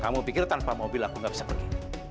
kamu pikir tanpa mobil aku gak bisa pergi